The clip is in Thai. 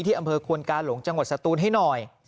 อำเภอควนกาหลงจังหวัดสตูนให้หน่อย